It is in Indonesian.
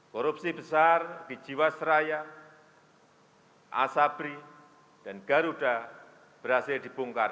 korupsi besar di jiwasraya asabri dan garuda berhasil dibongkar